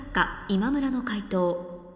今村の解答